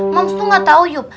mams tuh nggak tahu yub